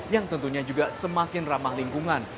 yang tentunya juga semakin ramah lingkungan